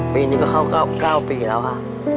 ปีนี้ก็เข้าก็๙ปีแล้วค่ะ